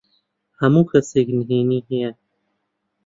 هەموو کەسێک نهێنیی هەیە.